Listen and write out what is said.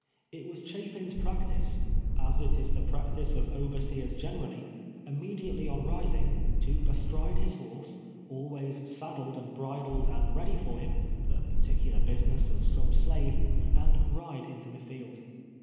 It was Cha pin's practice, as it is the practice of overseers gen erally, immediately on arising, to bestride his horse, always saddled and bridled and ready for him —■ the })articnlar business of some slave — and ride into the field.